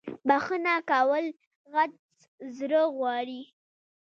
بخښنه کول غت زړه غواړی